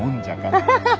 アハハハ！